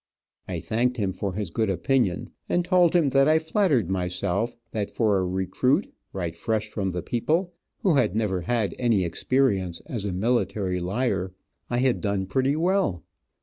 I thanked him for his good opinion, and told him that I flattered myself that for a recruit, right fresh from the people, who had never had any experience as a military liar, I had done pretty well.